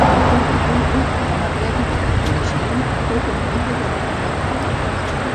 També conegut com a premi al reconeixement a tota una vida dedicada al còmic.